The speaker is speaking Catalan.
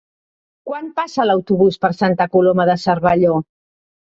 Quan passa l'autobús per Santa Coloma de Cervelló?